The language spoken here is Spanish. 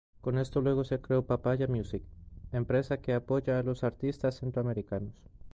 Con esto luego se creó Papaya Music, empresa que apoya a los artistas centroamericanos.